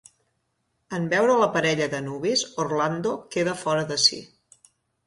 En veure la parella de nuvis Orlando queda fora de si.